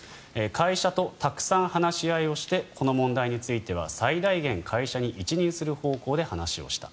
会社とたくさん話し合いをしてこの問題については最大限会社に一任する方向で話をした。